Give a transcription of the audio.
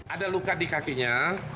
ada luka di kakinya